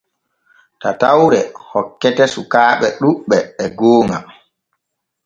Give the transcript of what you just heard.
Tatawre hokkete sukaaɓe ɗuuɓɓe e gooŋa.